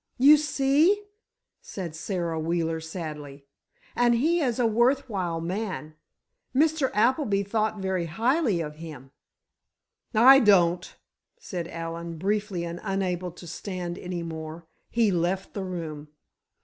"You see," said Sara Wheeler, sadly. "And he is a worth while man. Mr. Appleby thought very highly of him." "I don't!" said Allen, briefly, and unable to stand any more, he left the room.